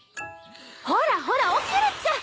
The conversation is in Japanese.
ほらほら起きるっちゃ。